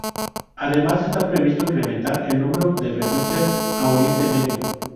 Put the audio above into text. Además, está previsto incrementar el número de frecuencias a Oriente Medio.